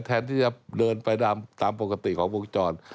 แทนที่จะเดินไปตามปกติของวงจร